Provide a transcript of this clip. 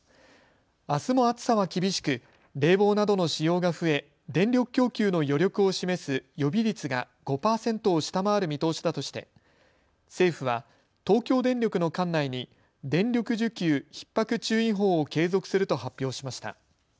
あすも暑さは厳しく冷房などの使用が増え電力供給の余力を示す予備率が５％を下回る見通しだとして政府は東京電力の管内に電力需給ひっ迫注意報を継続すると発表しました。